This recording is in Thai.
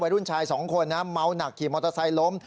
วัยรุ่นชาย๒คนเมาหนักขี่มอเตอร์ไซค์ล้ม